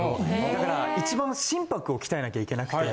だから一番心拍を鍛えなきゃいけなくて。